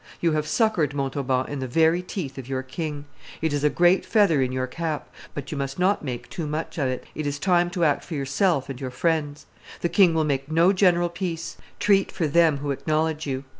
You have succored Montauban in the very teeth of your king. It is a great feather in your cap; but you must not make too much of it. It is time to act for yourself and your friends. The king will make no general peace; treat for them who acknowledge you.